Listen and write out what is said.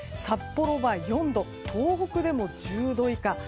札幌は４度東北でも１０度以下。